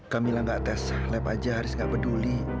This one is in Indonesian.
kak mila nggak tes lab aja haris nggak peduli